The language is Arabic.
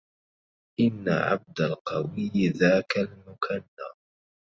إن عبد القوي ذاك المكنى